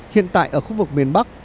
hiện tại ở khu vực miền bắc